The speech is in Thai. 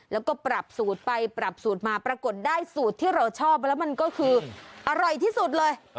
แล้วก็ปรับสูตรไปปรับสูตรมาปรากฏได้สูตรที่เราชอบแล้วมันก็คืออร่อยที่สุดเลย